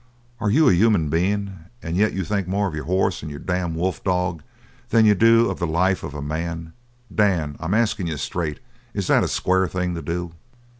"Are you a human bein' and yet you think more of your hoss and your damned wolf dog than you do of the life of a man? Dan, I'm askin' you straight, is that a square thing to do?"